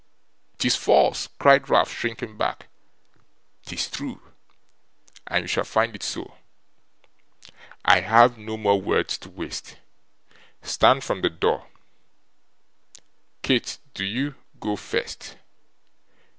''Tis false!' cried Ralph, shrinking back. ''Tis true, and you shall find it so. I have no more words to waste. Stand from the door. Kate, do you go first.